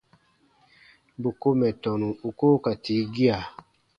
Bù ko mɛ̀ tɔnu u koo ka tii gia.